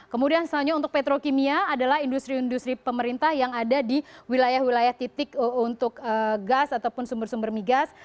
kemudian selanjutnya untuk petrokimia adalah industri industri pemerintah yang ada di wilayah wilayah titik untuk gas ataupun sumber sumber migas